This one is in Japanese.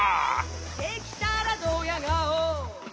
「できたらどや顔」